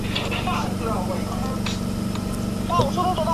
该党由原捷克斯洛伐克共产党在捷克地区的党组织发展而来。